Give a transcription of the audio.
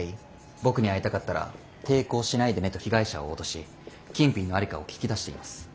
僕に会いたかったら抵抗しないでね」と被害者を脅し金品の在りかを聞き出しています。